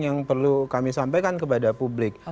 yang perlu kami sampaikan kepada publik